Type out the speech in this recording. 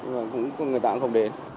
nhưng mà cũng người ta cũng không đến